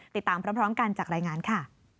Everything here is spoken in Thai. ติดตามพร้อมกันจากรายงานค่ะ